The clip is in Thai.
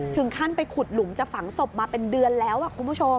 ถึงขั้นไปขุดหลุมจะฝังศพมาเป็นเดือนแล้วคุณผู้ชม